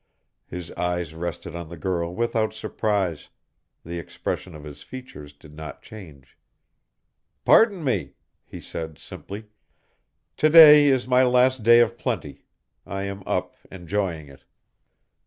His eyes rested on the girl without surprise; the expression of his features did not change. "Pardon me," he said, simply. "To day is my last of plenty. I am up enjoying it."